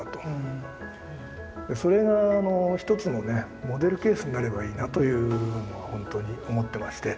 それがあの一つのねモデルケースになればいいなというのは本当に思ってまして。